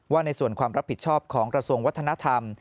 ในส่วนความรับผิดชอบของกระทรวงวัฒนธรรม